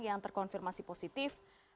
yang terkonfirmasi positif